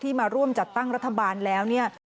ที่มาร่วมจัดตั้งรัฐบาลแล้ว